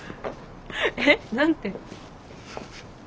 えっ？何て？